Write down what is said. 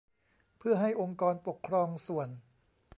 เพื่อให้องค์กรปกครองส่วน